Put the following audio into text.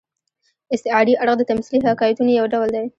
استعاري اړخ د تمثيلي حکایتونو یو ډول دئ.